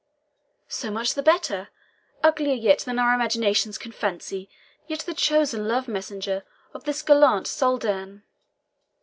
"So much the better uglier yet than our imaginations can fancy, yet the chosen love messenger of this gallant Soldan!"